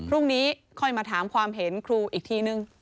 พรุ่งนี้ค่อยมาถามความเห็นครูอีกทีนึง